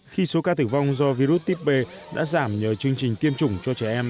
khi số ca tử vong do virus típ đã giảm nhờ chương trình tiêm chủng cho trẻ em